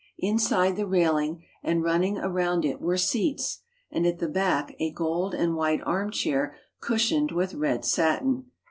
Inside the railing and running around it were seats, and at the back a gold and white armchair cushioned with red satin.